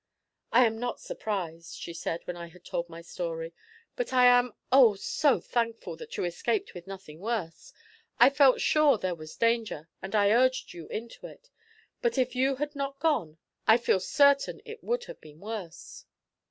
'I am not surprised,' she said, when I had told my story, 'but I am, oh, so thankful that you escaped with nothing worse. I felt so sure there was danger, and I urged you into it. But if you had not gone, I feel certain it would have been worse.'